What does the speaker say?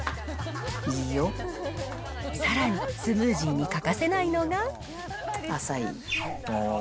さらにスムージーに欠かせなアサイー。